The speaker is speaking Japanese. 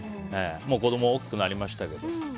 子供は大きくなりましたけど。